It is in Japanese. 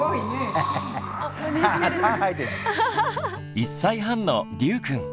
１歳半のりゅうくん。